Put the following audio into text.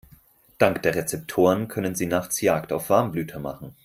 Dank der Rezeptoren können sie nachts Jagd auf Warmblüter machen.